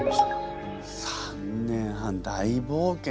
３年半大冒険だ。